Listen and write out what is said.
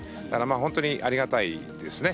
本当にありがたいですね。